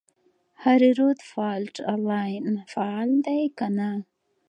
هریرود فالټ لاین فعال دی که نه؟